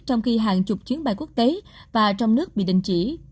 trong khi hàng chục chuyến bay quốc tế và trong nước bị đình chỉ